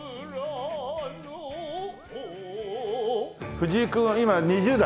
藤井君は今２０代？